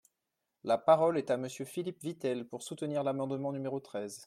La parole est à Monsieur Philippe Vitel, pour soutenir l’amendement numéro treize.